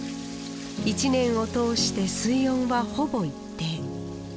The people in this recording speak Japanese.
１年を通して水温はほぼ一定。